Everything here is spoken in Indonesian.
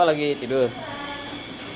apa lagi tidur